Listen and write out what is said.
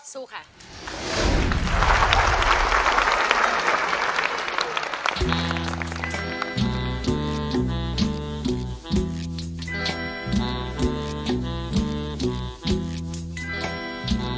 สู้ค่ะ